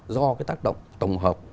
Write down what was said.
do cái tác động tổng hợp